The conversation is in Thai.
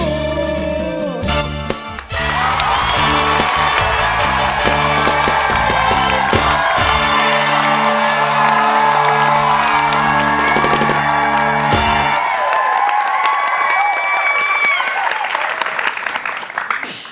ซายอินเซวมาล